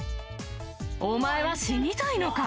お前は死にたいのか？